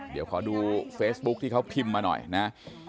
เดี๋ยวขอดูเฟซบุ๊คที่เขาพิมพ์มาหน่อยนะ